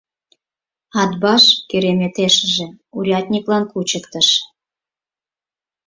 Атбаш, кереметешыже, урядниклан кучыктыш.